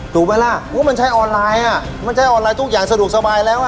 ถูกไหมล่ะมันใช้ออนไลน์อ่ะมันใช้ออนไลน์ทุกอย่างสะดวกสบายแล้วอ่ะ